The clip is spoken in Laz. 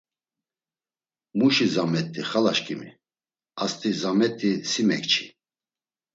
“Muşi zamet̆i xalaşǩimi! Ast̆i zamet̆i si mekçi.”